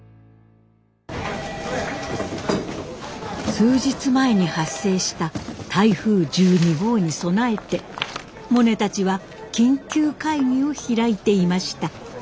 数日前に発生した台風１２号に備えてモネたちは緊急会議を開いていました。